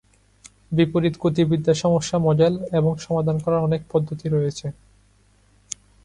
বিপরীত গতিবিদ্যা সমস্যা মডেল এবং সমাধান করার অনেক পদ্ধতি রয়েছে।